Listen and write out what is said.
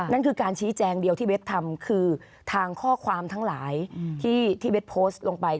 นั่นคือการชี้แจงเดียวที่เบสทำคือทางข้อความทั้งหลายที่เบสโพสต์ลงไป